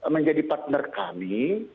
menjadi partner kami